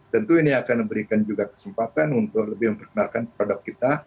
tentu ini akan memberikan juga kesempatan untuk lebih memperkenalkan produk kita